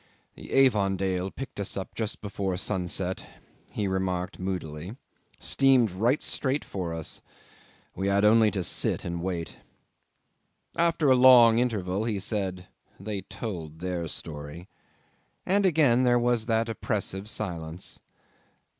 '"The Avondale picked us up just before sunset," he remarked moodily. "Steamed right straight for us. We had only to sit and wait." 'After a long interval, he said, "They told their story." And again there was that oppressive silence.